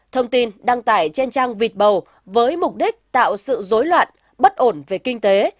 thông tin đăng tải trên trang vịt bầu với mục đích tạo sự dối loạn bất ổn về kinh tế